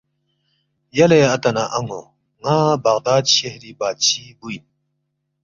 ”یلے اَتا نہ اَن٘و ن٘ا بغداد شہری بادشی بُو اِن